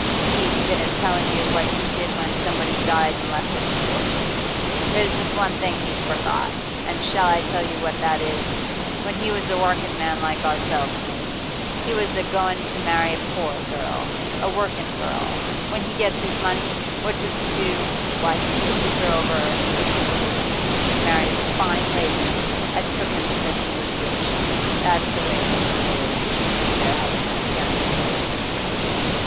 'He's been a tellin' you what he did when somebody died an' left him a fortune. There's just one thing he's forgot, an' shall I tell you what that is? When he was a workin' man like ourselves, mates, he was a goin' to marry a pore girl, a workin' girl. When he gets his money, what does he do? Why, he pitches her over, if you please, an' marries a fine lady, as took him because he was rich that's the way ladies always chooses their husbands, y'understand.